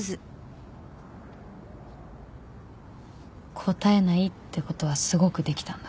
答えないって事はすごくできたんだ。